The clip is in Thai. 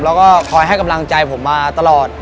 แล้วก็คอยให้กำลังใจผมมาตลอด